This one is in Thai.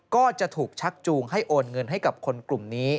ก็จะถูกชักจูงให้โอนเงินให้กับคนกลุ่มนี้